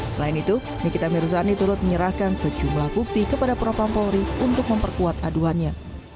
selain itu nikita mirzani turut menyerahkan sejumlah bukti kepada propam polri untuk memperkuat aduannya